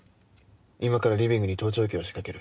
今からリビングに盗聴器を仕掛ける。